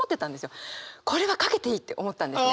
これはかけていいって思ったんですね。